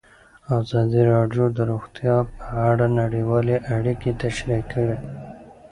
ازادي راډیو د روغتیا په اړه نړیوالې اړیکې تشریح کړي.